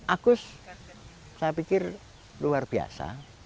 agus saya pikir luar biasa